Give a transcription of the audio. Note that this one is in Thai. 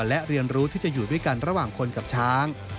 และเรียนรู้ที่จะอยู่ด้วยกันระหว่างคนกับช้าง